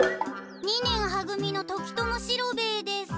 二年は組の時友四郎兵衛です。